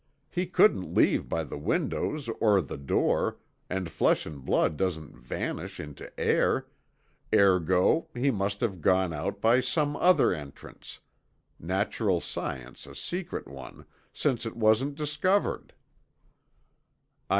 He couldn't leave by the windows or the door and flesh and blood doesn't vanish into air, ergo he must have gone out by some other entrance, natural inference a secret one, since it wasn't discovered."